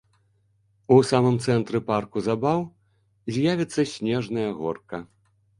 У самым цэнтры парку забаў з'явіцца снежная горка.